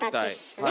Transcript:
はい。